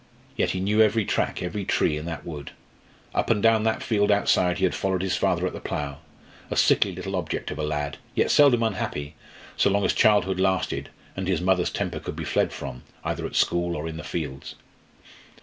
Yet he knew every track, every tree in that wood. Up and down that field outside he had followed his father at the plough, a little sickly object of a lad, yet seldom unhappy, so long as childhood lasted, and his mother's temper could be fled from, either at school or in the fields.